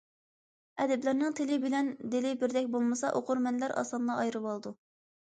ئەدىبلەرنىڭ تىلى بىلەن دىلى بىردەك بولمىسا ئوقۇرمەنلەر ئاسانلا ئايرىۋالىدۇ.